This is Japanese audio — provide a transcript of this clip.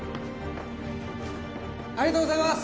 ありがとうございます！